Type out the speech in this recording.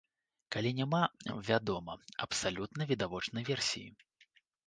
Калі няма, вядома, абсалютна відавочнай версіі.